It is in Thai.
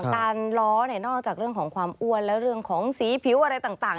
ล้อนอกจากเรื่องของความอ้วนและเรื่องของสีผิวอะไรต่าง